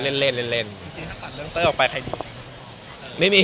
จริงถ้าตัดเรื่องเต้อออกไปใครดู